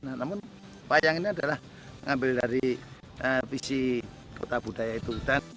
namun wayang ini adalah mengambil dari visi kota budaya itu